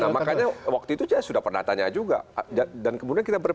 makanya waktu itu sudah pernah tanya juga